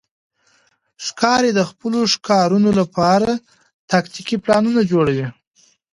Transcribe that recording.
ښکاري د خپلو ښکارونو لپاره تاکتیکي پلانونه جوړوي.